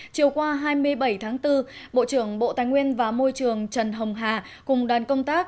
chiều qua hai mươi bảy tháng bốn bộ trưởng bộ tài nguyên và môi trường trần hồng hà cùng đoàn công tác